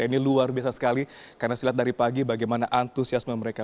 ini luar biasa sekali karena saya lihat dari pagi bagaimana antusiasme mereka